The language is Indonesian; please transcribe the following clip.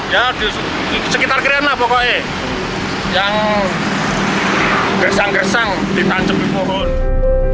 ya di sekitar krian lah pokoknya yang gersang gersang ditancep di pohon